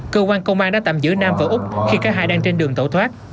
cơ quan công an đã tạm giữ nam và úc khi cả hai đang trên đường tẩu thoát